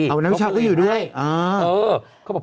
วันนี้ชาวภูมิทำได้